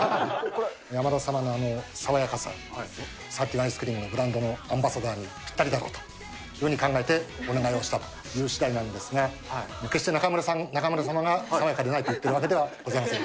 山田様のあの爽やかさ、サーティワンアイスクリームのブランドのアンバサダーにぴったりだろうというふうに考えて、お願いをしたというしだいなんですが、決して中村さん、中丸様が爽やかでないと言ってるわけではありません。